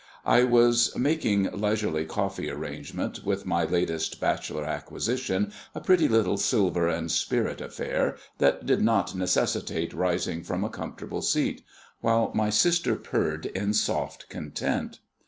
I was making leisurely coffee arrangements with my latest bachelor acquisition, a pretty little silver and spirit affair, that did not necessitate rising from a comfortable seat; while my sister purred in soft content.